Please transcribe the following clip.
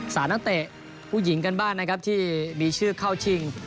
นักเตะผู้หญิงกันบ้างนะครับที่มีชื่อเข้าชิง